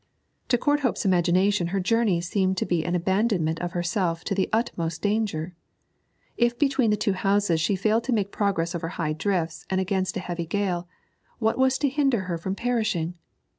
To Courthope's imagination her journey seemed to be an abandonment of herself to the utmost danger. If between the two houses she failed to make progress over high drifts and against a heavy gale, what was to hinder her from perishing?